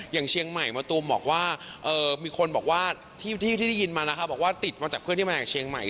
อย่างเชียงใหม่มะตูมบอกว่ามีคนบอกว่าที่ได้ยินมานะคะบอกว่าติดมาจากเพื่อนที่มาจากเชียงใหม่